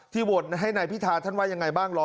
ที่จะโหวตให้ครับทัก